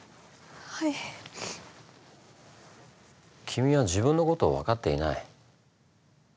君は自分のことを分かっていない。